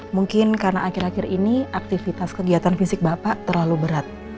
mungkin karena akhir akhir ini aktivitas kegiatan fisik bapak terlalu berat